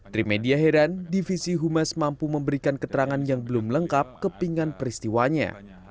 trimedia heran divisi humas mampu memberikan keterangan yang belum lengkap kepingan peristiwanya